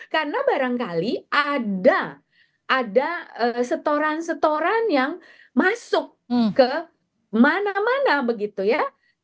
karena barangkali ada setoran setoran yang masuk ke mana mana begitu ya